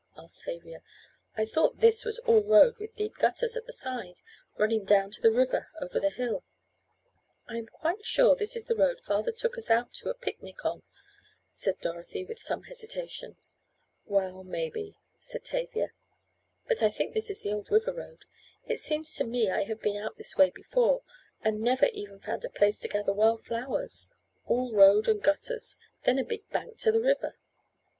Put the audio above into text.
asked Tavia, "I thought this was all road with deep gutters at the side, running down to the river over the hill." "I am quite sure this is the road father took us out to picnic on," said Dorothy with some hesitation. "Well, maybe," said Tavia, "but I think this is the old river road. It seems to me I have been out this way before, and never even found a place to gather wild flowers, all road and gutters, then a big bank to the river."